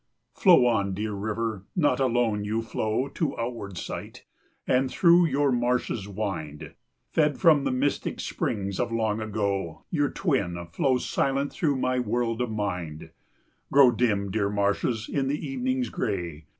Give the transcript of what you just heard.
Flow on, dear river! not alone you flow To outward sight, and through your marshes wind; Fed from the mystic springs of long ago, Your twin flows silent through my world of mind; Grow dim, dear marshes, in the evening's gray!